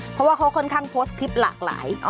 เพราะว่าเขาค่อนข้างโพสต์คลิปหลากหลาย